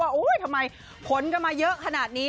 ทำไมผลกันมาเยอะขนาดนี้